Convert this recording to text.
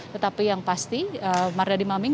tetapi yang pasti mardani maming